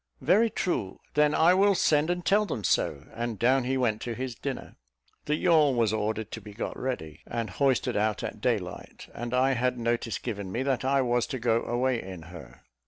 "Very true: then I will send and tell them so;" and down he went to his dinner. The yawl was ordered to be got ready, and hoisted out at daylight, and I had notice given me that I was to go away in her.